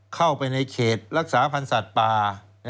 เข้าไปในเขตรักษาพันธ์สัตว์ป่า